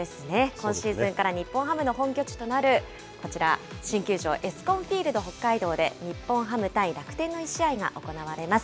今シーズンから日本ハムの本拠地となるこちら、新球場、エスコンフィールド北海道で、日本ハム対楽天の１試合が行われます。